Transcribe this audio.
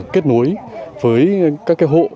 kết nối với các hộ